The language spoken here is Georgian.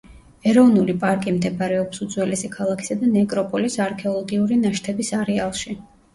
ეროვნული პარკი მდებარეობს უძველესი ქალაქისა და ნეკროპოლის არქეოლოგიური ნაშთების არეალში.